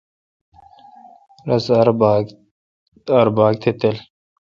رس آر باگ تہ تلا۔